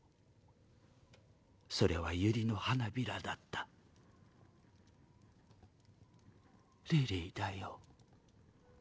それはユリの花びらだったリリーだよ